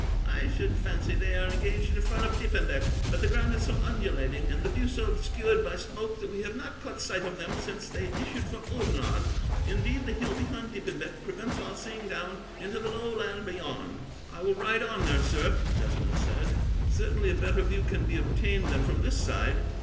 I should fancy they are engaged in front of Diepenbeck; but the ground is so undulating, and the view so obscured by smoke, that we have not caught sight of them since they issued from Oudenarde indeed, the hill behind Diepenbeck prevents our seeing down into the low land beyond." "I will ride on there, sir," Desmond said. "Certainly a better view can be obtained than from this side."